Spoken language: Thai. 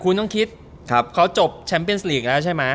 คุณต้องคิดเขาจบแชมป์เป็นสลีกแล้วใช่ไหม